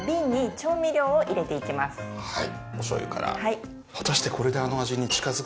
はい。